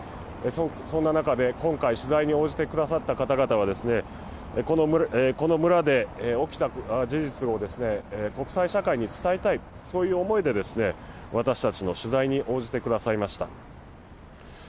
そんな中で今回、取材に応じてくださった方々はこの村で起きた事実を国際社会に伝えたい、そういう思いで私たちの取材に応じてくださいました。